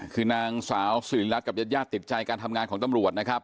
คือนางสาวสิริรัตนกับญาติญาติติดใจการทำงานของตำรวจนะครับ